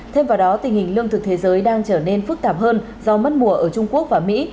thêm vào đó tình hình lương thực thế giới đang trở nên phức tạp hơn do mất mùa ở trung quốc và mỹ